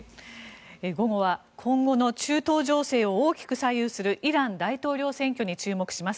午後は今後の中東情勢を大きく左右するイラン大統領選挙に注目します。